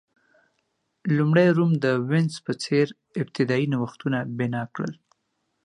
لومړی روم د وینز په څېر ابتدايي نوښتونه بنا کړي وو